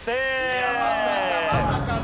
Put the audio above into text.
いやまさかまさかの。